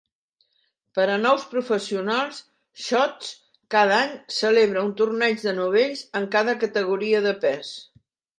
Per a nous professionals, Shoots cada any, celebra un torneig de novells en cada categoria de pes.